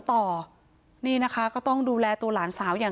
พระเจ้าที่อยู่ในเมืองของพระเจ้า